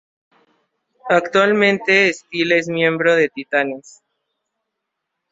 Actualmente, Steel es miembro de Titanes.